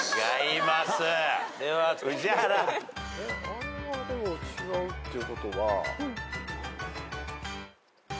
あれがでも違うっていうことは。